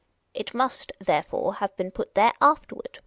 It must, therefore, have been put there afterward.